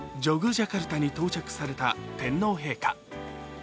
ジャカルタに到着された天皇陛下。